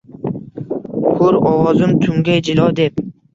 Hur ovozim tunga jilo deb.